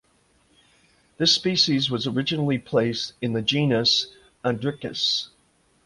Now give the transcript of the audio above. This species was originally placed in the genus "Andricus".